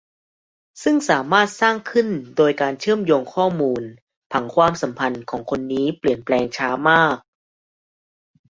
ซึ่งสามารถสร้างขึ้นโดยการเชื่อมโยงข้อมูล - ผังความสัมพันธ์ของคนนี้เปลี่ยนแปลงช้ามาก